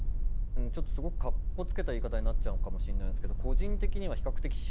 ちょっとすごくかっこつけた言い方になっちゃうかもしれないですけど